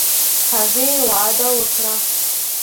هغې وعده وکړه.